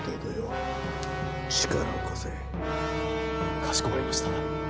かしこまりました。